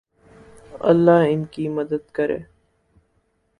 اللہ ان کی مدد کرے